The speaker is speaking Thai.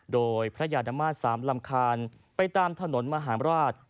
โดยพระยาดมาตร๓ลำคาญไปตามถนนมหาราช